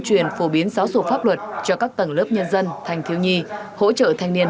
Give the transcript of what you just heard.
truyền phổ biến giáo dục pháp luật cho các tầng lớp nhân dân thành thiếu nhi hỗ trợ thanh niên